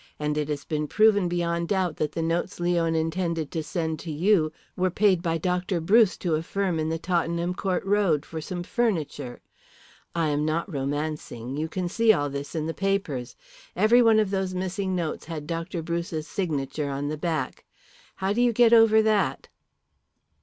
And it has been proved beyond doubt that the notes Leon intended to send to you were paid by Dr. Bruce to a firm in the Tottenham Court Road for some furniture. I am not romancing; you can see all this in the papers. Every one of those missing notes had Dr. Bruce's signature on the back. How do you get over that?"